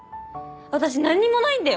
私何にもないんだよ？